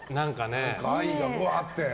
愛が、うわーって。